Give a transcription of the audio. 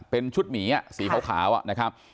เป็นชุดหมีสีขาวนะครับ